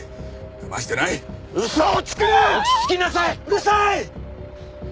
うるさい！